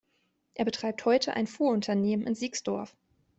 Er betreibt heute ein Fuhrunternehmen in Siegsdorf.